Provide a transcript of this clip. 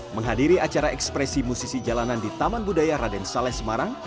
menghadiri acara ekspresi musisi jalanan di taman budaya raden saleh semarang